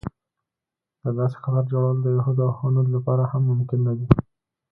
د داسې خطر جوړول د یهود او هنود لپاره هم ممکن نه دی.